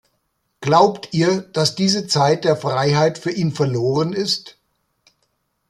Glaubt ihr, dass diese Zeit der Freiheit für ihn verloren ist?